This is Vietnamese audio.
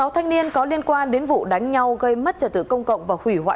một mươi sáu thanh niên có liên quan đến vụ đánh nhau gây mất trả tử công cộng và hủy hoại tội